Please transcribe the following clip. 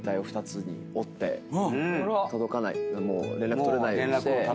もう連絡取れないようにして。